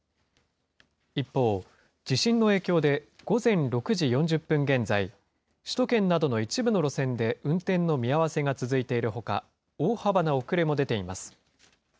一方、地震の影響で午前６時４０分現在、首都圏などの一部の路線で運転の見合わせが続いているほか、大幅な遅れも出ています。